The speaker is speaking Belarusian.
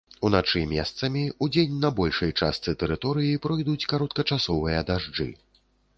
Уначы месцамі, удзень на большай частцы тэрыторыі пройдуць кароткачасовыя дажджы.